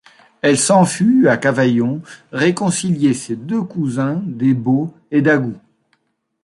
Elle s’en fut, à Cavaillon, réconcilier ses deux cousins des Baux et d’Agoult.